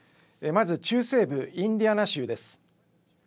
まず中西部インディアナ州です。